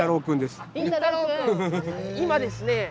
今ですね